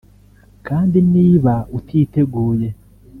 kandi niba utiteguye